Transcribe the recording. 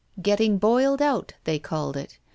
"Getting boiled out," they called it.